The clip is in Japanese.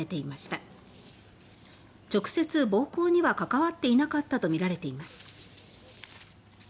男は直接暴行には関わっていなかったとみられています。